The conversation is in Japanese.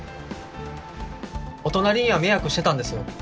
お隣には迷惑してたんです。